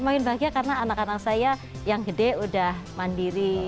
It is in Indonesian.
makin bahagia karena anak anak saya yang gede udah mandiri